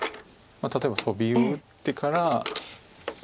例えばトビを打ってから。